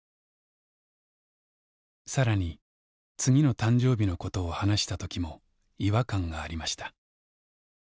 更に次の誕生日のことを話した時も違和感がありました。